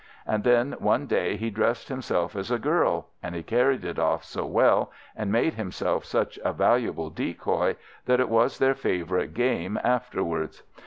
And then one day he dressed himself as a girl, and he carried it off so well, and made himself such a valuable decoy, that it was their favourite game afterwards.